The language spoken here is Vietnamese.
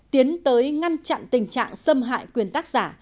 tiến tới ngăn chặn tình trạng xâm hại quyền tác giả